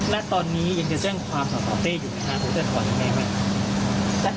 และตอนนี้ยังจะเจ้งความหัวของเต้อยู่ไหมครับจะถอนแม่ไหมครับ